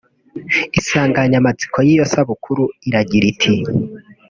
Insanganyamatsiko y’iyo sabukuru iragira iti